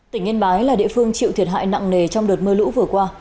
tỉnh yên bái là địa phương chịu thiệt hại nặng nề trong đợt mưa lũ vừa qua